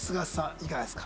いかがですか？